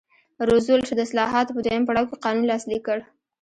روزولټ د اصلاحاتو په دویم پړاو کې قانون لاسلیک کړ.